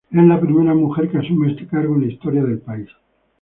Es la primera mujer que asume este cargo en la historia del país.